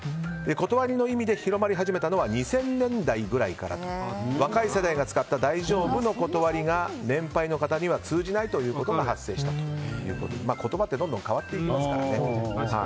断りの意味で広まり始めたのは２０００年代ぐらいから若い世代が使った大丈夫の断りが年配の方には通じないことが発生したということで言葉ってどんどん変わっていくからね。